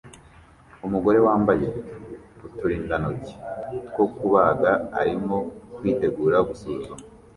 Umugore wambaye uturindantoki two kubaga arimo kwitegura gusuzuma